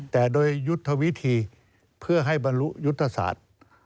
แต่โดยยุทธวิธีเพื่อให้บรรลุยุทธศาสตร์